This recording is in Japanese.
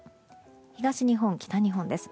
東日本、北日本です。